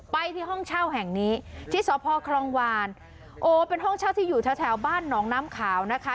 ไปที่ห้องเช่าแห่งนี้ที่สพครองวานโอ้เป็นห้องเช่าที่อยู่แถวแถวบ้านหนองน้ำขาวนะคะ